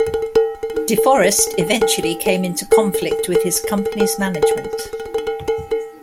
De Forest eventually came into conflict with his company's management.